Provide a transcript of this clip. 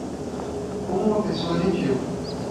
Como uma pessoa gentil